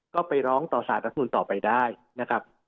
ก็ไปร้องต่อสารรัฐมนุนต่อไปได้นะครับ